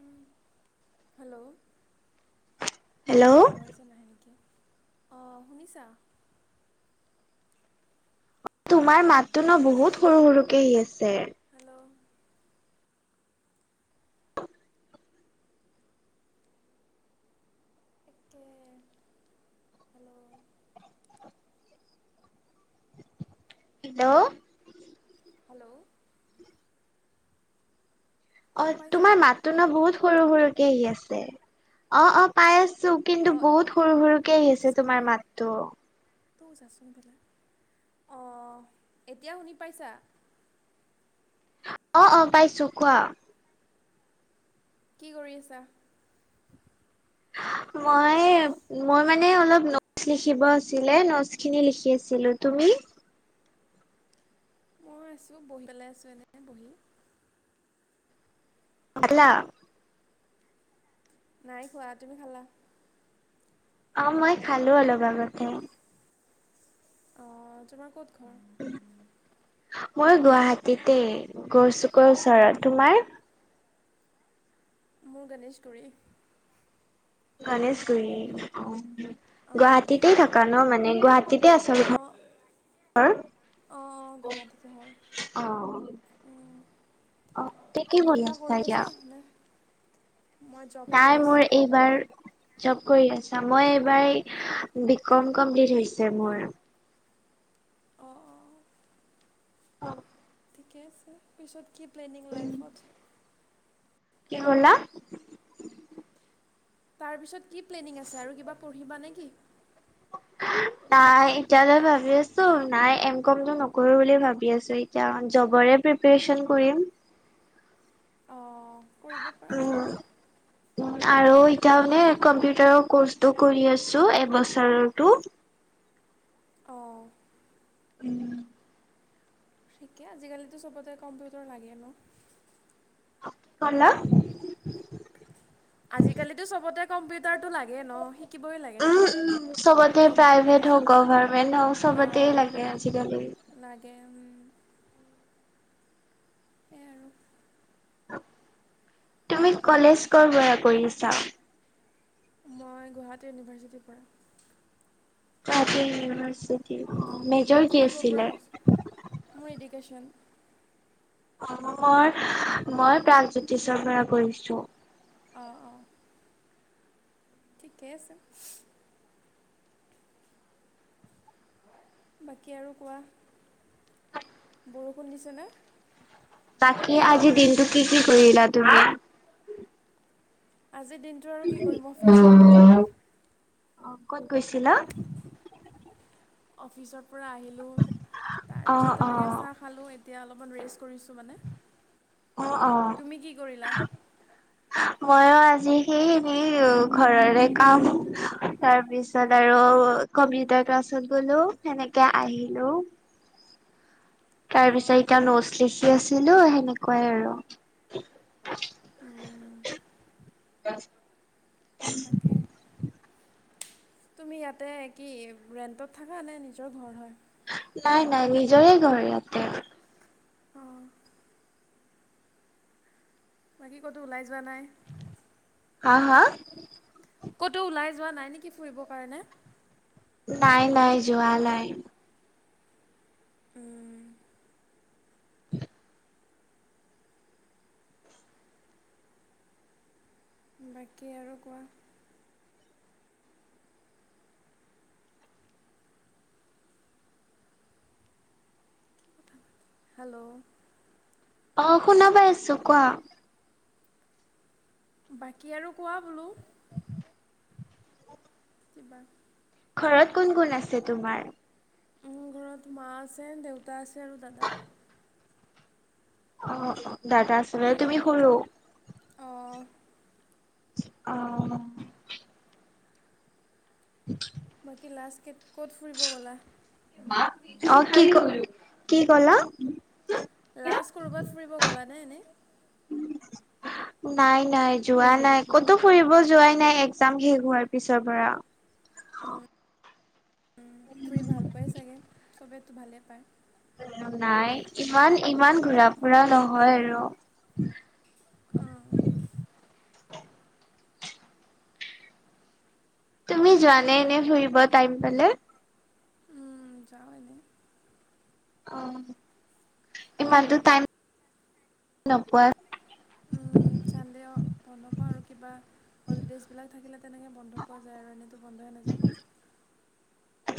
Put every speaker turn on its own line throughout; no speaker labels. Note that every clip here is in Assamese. উম, হেল্ল'
হেল্ল'
আৱাজে নাহে নেকি অঁ শুনিছা?
তোমাৰ মাততো ন বহুত সৰু সৰু কে আহি আছে।
হেল্ল' একে হেল্ল'
হেল্ল'
হেল্ল'
অ'
শুনা পাইছে
তোমাৰ মাতটো ন বহুত সৰু সৰুকে আহি আছে অ অ পাই আছো। ছো কিন্তু
অঁ
বহুত সৰু সৰুকে আহিছে তোমাৰ মাততো।
তৌ যাচোন বেলা অঁ এতিয়া শুনি পাইছা?
অ'অ' পাইছো কোৱা
কি কৰি আছা?
মই মই মানে অলপ নটচ লিখিব আছিলে নচ খিনি লিখি আছিলো, তুমি?
মই আছোঁ বহি পেলাই আছোঁ এনেই বহি।
[unintelligible]
নাই খোৱা। তুমি খালা?
অ' মই খালো অলপ আগতে।
অ', তোমাৰ ক'ত ঘৰ?
মই গুৱাহাটীতেই গৰচুকৰ ওচৰত, তোমাৰ?
মোৰ গণেশগুৰি।
গনেশগুৰি অ',
অঁ
গুৱাহাটীতে থাকা ন মানে গুৱাহাটী
অ', অ, গুৱাহাটীতে হয় উম।
অ তে কি
তুমি কিবা কৰি
এতিয়া
আছা নে? মই জব
নাই
কৰি আছোঁ
মোৰ এই বাৰ জব কৰি আছা মই এইবাৰ বি কম কমপ্লিট হৈছে মোৰ।
অ' অ',
অ
ঠিকে আছে পিছত কি প্লেনিং লাইফত।
কি ক'লা?
তাৰপিছত কি প্লেনিং আছে আৰু কিবা পঢ়িবা নে কি? [inaudible]
নাই এতিয়ালৈ ভাবি আছোঁ নাই এম কমটো নকৰো বুলি ভাবি আছোঁ ইতিয়া জবৰে প্ৰিপেৰেচন কৰিম।
অ, কৰিব পাৰা
উম
জব।
আৰু এতিয়া মানে কম্পিউটাৰৰ কৰ্চটো কৰি আছোঁ এবছৰৰটো।
অ',
উম,
ঠিকে আজিকালিতো চবতে কম্পিউটাৰ লাগে ন'।
ক'লা?
আজি কালিতো চবতে কম্পিউটাৰটো লাগে ন'শিকিবই লাগে
উম
এইটো।
উম
বহুত
চবতে
ইম্পৰ্টেঞ্চ
প্ৰাইভেট হওঁক
হয়
গভাৰমেন্ট হওঁক চবতে
অঁ
লাগে আজিকালি।
লাগে উম। তে আৰু
তুমি কলেজ কৰ পৰা কৰিছা?
মই গুৱাহাটী ইউনিভাৰ্চিটিৰ পৰা।
গুৱাহাটী ইউনিভাৰ্চিত
তুমি ক'ৰ পৰা কৰিছা মোৰ এডুকেচন।
অ, মই- মই প্ৰাগজ্যোতিষৰ পৰা কৰিছোঁ।
অ', অ', ঠিকেই আছে। বাকী আৰু কোৱা বৰষুণ দিছেনে?
বাকি আজি দিনটো কি- কি কৰিলা তুমি?
আজিৰ দিনটো আৰু কি কৰিম অফিজ গ'লোঁ।
অ, ক'ত গৈছিলা?
অফিচৰ পৰা আহিলোঁ তাৰপিছত
অ'
তেনেকে
অ'
চাহ খালোঁ এতিয়া অলপমান ৰেষ্ট কৰিছোঁ মানে।
অ', অ',
তুমি কি কৰিলা
মইয় আজি সেই এনেই ঘৰৰে কাম তাৰ পিছত আৰু কম্পিউটাৰ ক্লাছত গ'লো সেনেকে আহিলোঁ। তাৰ পিছত
অঁ
এতিয়া নোটছ লিখি আছিলোঁ সেনেকুৱাই আৰু।
উম,
[unintelligible]
তাকে। তুমি ইয়াতে কি ৰেণ্টত থাকা নে নিজৰ ঘৰ হয়?
নাই- নাই নিজৰে ঘৰ ইয়াতে।
অঁ বাকী ক'তো ওলাই যোৱা নাই?
হা- হা?
ক'তো ওলাই যোৱা নাই নেকি ফুৰিব কাৰণে?
নাই -নাই যোৱা নাই।
উম
উ
বাকী আৰু কোৱা, হেল্ল'
অ শুনা পাই আছোঁ কোৱা,
বাকী আৰু কোৱা বোলো? কিবা
ঘৰত কোন -কোন আছে তোমাৰ?
মোৰ ঘৰত মা আছে দেউতা আছে আৰু দাদা।
অ', অ', দাদা আছিলে তুমি সৰু?
অঁ
অ [unintelligible]
বাকী লাষ্ট ক'ত ফুৰিব গ'লা?
অ কি ক কি কলা
লাষ্ট কৰবাত ফুৰিব গ'লানে এনেই?
নাই নাই যোৱা নাই কতো ফুৰিব যোৱাই নাই এক্জাম শেষ হোৱাৰ পিছৰ পৰা
ফুৰি ভাল পোৱাই চাগে চবেইতো ভালেই পায়।
নাই ইমান ইমান ঘূৰা ফুৰা নহয় আৰু
অঁ,
তুমি যোৱানে এনে ফুৰিব টাইম পালে?
ওহ যাওঁ এনেই।
অ ইমানতো টাইম নোপোৱা,
চানদে বন্ধ পাওঁ আৰু কিবা হলিডেজ বিলাক থাকিলে তেনেকে বন্ধ পোৱা যায় আৰু এনেইতো বন্ধহে নাযায়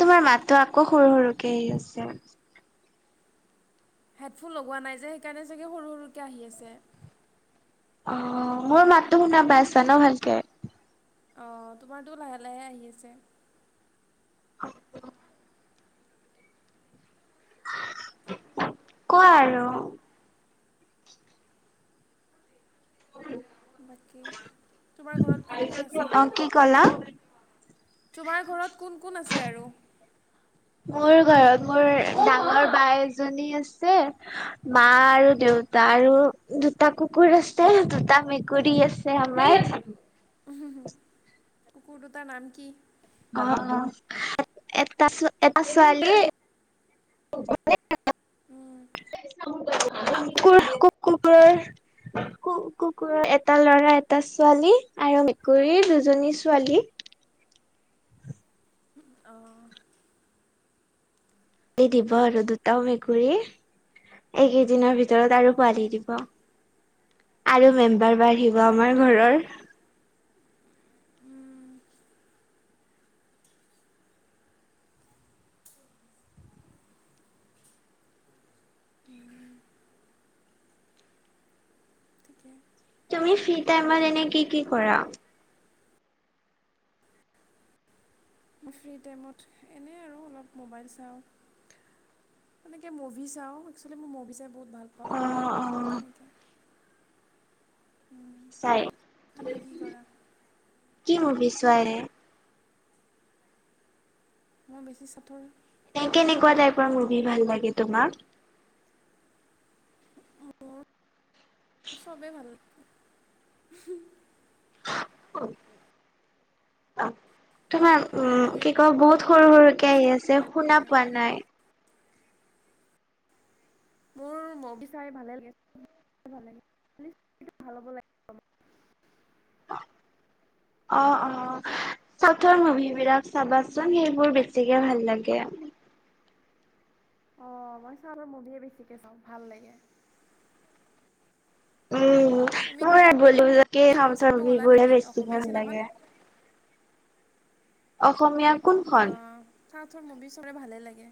তোমাৰ মাতটো আকৌ সৰু সৰুকে আহি আছে।
হেডফোন লগোৱা নাই যে সেইকাৰণে চাগে সৰু সৰুকৈ আহি আছে
অ মোৰ মাত তো শুনা পাইছা ন ভালকে।
অঁ তোমাৰতো লাহে লাহে আহি আছে।
অ অ কোৱা আৰু। উ।
বাকী তোমাৰ ঘৰত কোন কোন আছে?
অ কি ক'লা?
তোমাৰ ঘৰত কোন কোন আছে আৰু?
মোৰ ঘৰত মোৰ ডাঙৰ বাই এজনী আছে মা আৰু দেউতা আৰু দুটা কুকুৰ আছে দুটা মেকুৰী আছে। [unintelligible]
উও হু হু কুকুৰ দুটাৰ নাম কি?
অ অ এটা এটা ছোৱালী
উম
কুকুৰ কু কুকুৰৰ। কু কু কুকুৰৰ এটা ল'ৰা এটা ছোৱালী আৰু মেকুৰীৰ দুজনী ছোৱালী।
অ।
এ দিব আৰু দুটা ও মেকুৰী। এইকেইদিনৰ ভিতৰত আৰু
অঁ
পোৱালি দিব আৰু মেম্বাৰ বাহিব।
ভাল
আমাৰ ঘৰৰ।
উম, উম। ঠিকে
তুমি ফ্ৰী টাইমত এনে কি কি কৰা?
মই ফ্ৰী টাইমত এনেই আৰু অলপ মোবাইল চাওঁ। তেনেকে মুভি চাওঁ একচেলি মই মুভি চাই বহুত ভাল পাওঁ
অ', অ',
তেনেকে।
চাই
তুমি কি কৰা
কি মুবি ছোৱাএ।
মই বেছি চাথুৰ।
কেনেকুৱা টাইপৰ মুভি ভাল লাগে তোমাক?
মোৰ চবেই ভাল লাগে।
অ অ। [unintelligible] তোমাৰ উম
খালী
কি কয় বহুত সৰু
অলপ
সৰুকে আহি
ষ্টৰি
আছে
ভাল
শুনা
লাগে
পোৱা নাই।
মোৰ মভি চাই ভালে লাগে ভাল ল ভাল হব লাগে।
অ অ চাথুৰ মুভি বিলাক। চাবাচোন সেইবোৰ বেছিকে ভাল লাগে।
অ মই চালৰ মুভিয়ে বেছিকে চাওঁ ভাল লাগে।
উম
তুমি
মোৰ এই ভলিবলকে
এইখন
সথ
চাব গ'লা
বো
নেকি
বেছিকে
অসমীয়া
ভাল
চিনেমাখন
লাগে। অসমীয়া। কোনখন?
আঁ, চাউথৰ মুভি চবলে ভালে লাগে,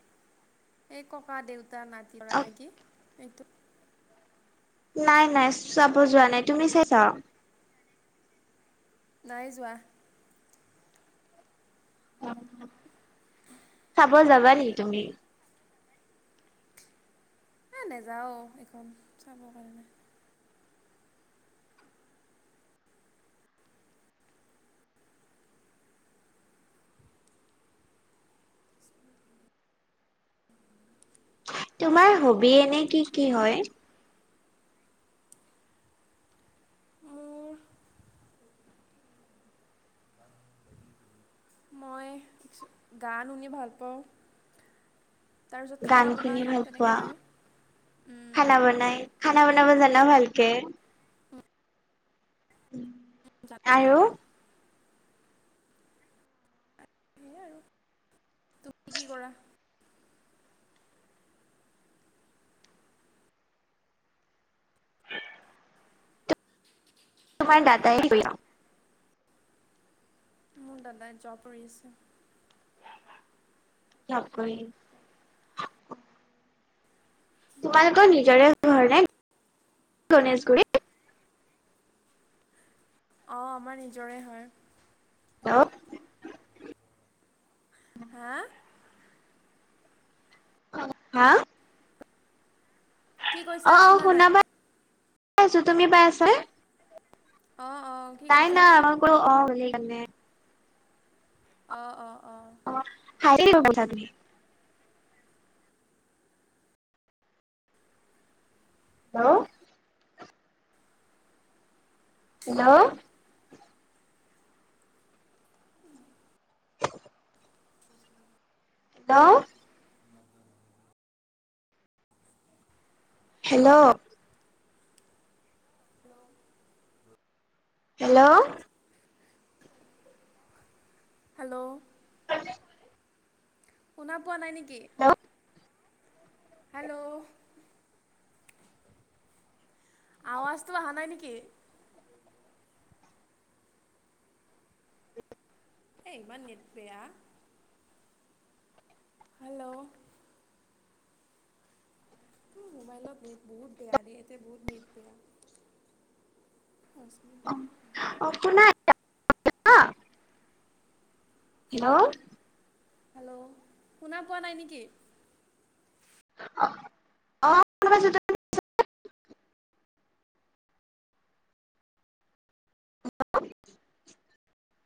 এই ককা -দেউতা। টা নাতি কৰা
অ',
নেকি এইটো-
নাই নাই চাব যোৱা নাই, তুমি চাইছা?
নাই যোৱা।
অ কবা যাবা নেকি তুমি।
এ নাযাও এইখন চাবৰ কাৰণে।
তোমাৰ হবি এনে কি কি হয়?
মোৰ মই গান শুনি ভাল পাওঁ। তাৰপিছত
গান
খানা
শুনি
বনাই
ভাল
তেনেকে
পোৱা?
আৰু, উম।
খানা বনাই। খানা বনাব জানা ভালকে।
উম জানো।
আৰু
সেয়াই আৰু তুমি কি কৰা?
[inaudible] তোমাৰ দাতাই কি কৰি আছ।
মোৰ দাদাই জাব কৰি আছে।
জপ কৰি। তোমালোকৰ নিজৰে ঘৰ নে, গণেশগুৰিত।
অঁ আমাৰ নিজৰে হয়।
আহ।
হা।
অ হা।
কি কৈছা
অ শুনা
নাই
পা আছো তুমি পাইছা নে।
অঁ অঁ। কি
তাই ন
কৈছা
আমাৰ কো অ বুলি মানে।
অ অ অ।
হ হাৰি তুমি। Hello
hello
hello hello
hello
hello
hello
[unintelligible]
শুনা পোৱা নাই নেকি?
হেল্ল
হেল্ল' আৱাজটো অহা নাই নেকি? এ ইমান নেট বেয়া। হেল্ল' মোবাইলত নেট বহুত বেয়া দে এতে বহুত নেট বেয়া।
অ আপোনাৰ হেল্ল'
হেল্ল' শুনা পোৱা নাই নেকি?
[unintelligible]
[inaudible] [unintelligible]